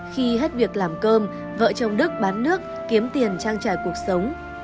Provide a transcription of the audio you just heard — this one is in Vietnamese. khi hết việc làm cơm vợ chồng đức bán nước kiếm tiền trang trải cuộc sống